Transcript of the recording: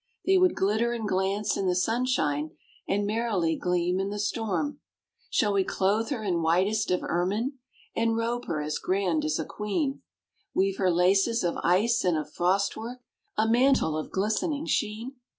They would glitter and glance in the sunshine, And merrily gleam in the storm. Shall we clothe her in whitest of ermine, And robe her as grand as a queen; Weave her laces of ice and of frost work, A mantle of glistening sheen?